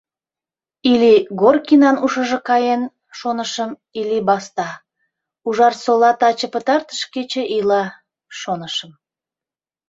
Или Горкинан ушыжо каен, шонышым, или баста — Ужарсола таче пытартыш кече ила, шонышым.